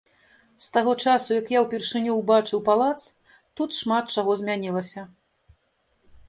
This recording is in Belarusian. З таго часу як я ўпершыню ўбачыў палац, тут шмат чаго змянілася.